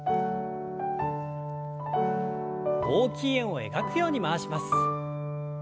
大きい円を描くように回します。